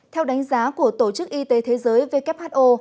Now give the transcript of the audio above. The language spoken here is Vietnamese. theo đánh giá của tổ chức y tế thế giới who